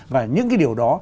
và những cái điều đó